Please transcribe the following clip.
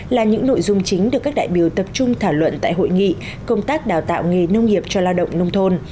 là những nội dung chính được các đại biểu tập trung thảo luận tại hội nghị công tác đào tạo nghề nông nghiệp cho lao động nông thôn